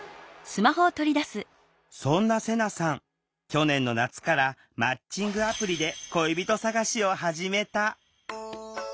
去年の夏からマッチングアプリで恋人探しを始めた。